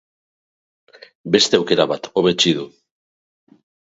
Beste aukera bat hobetsi du.